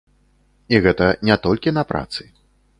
І гэта не толькі на працы.